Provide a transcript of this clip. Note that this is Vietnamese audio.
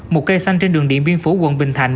một cây xanh trên đường điện biên phủ quận bình thạnh